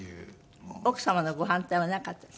奥様のご反対はなかったですか？